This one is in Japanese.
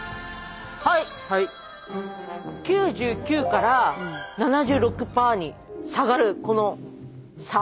９９から７６％に下がるこの差。